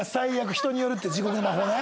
「人による」って地獄の魔法ね。